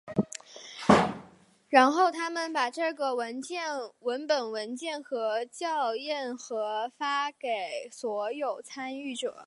然后他们把这个文本文件和校验和发给所有参与者。